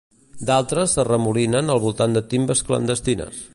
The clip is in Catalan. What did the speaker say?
D'altres s'arremolinen al voltant de timbes clandestines.